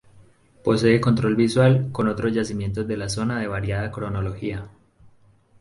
Posee control visual con otros yacimientos de la zona de variada cronología.